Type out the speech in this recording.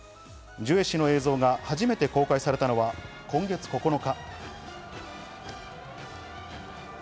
ジュエ氏の映像が初めて公開されたのは今月９日。